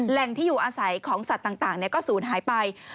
แรงที่อยู่อาศัยของสัตว์ต่างเนี่ยก็สูญหายไป